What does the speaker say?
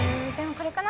これかな。